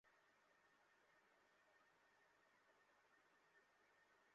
জ্বি, আমি শিউর যে অসংখ্য মানুষ এখন ভীত হয়ে আছে।